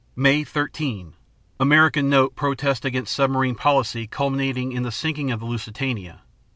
_May 13 American note protests against submarine policy culminating in the sinking of the "Lusitania."